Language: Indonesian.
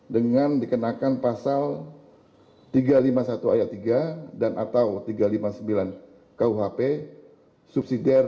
dengan dikenakan pasal tiga ratus lima puluh satu ayat tiga dan atau tiga ratus lima puluh sembilan kuhp subsidiare tiga ratus enam puluh